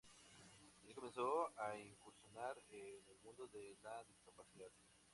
Así comenzó a incursionar en el mundo de la discapacidad.